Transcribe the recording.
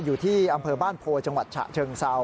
อยู่ที่อำเภอบ้านโพจังหวัดฉะเชิงเซา